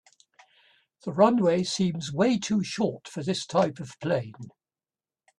The runway seems way to short for this type of plane.